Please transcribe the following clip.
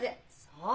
そう。